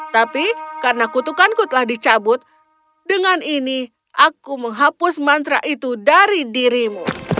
tapi karena kutukanku telah dicabut dengan ini aku menghapus mantra itu dari dirimu